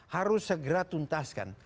harus segera tuntaskan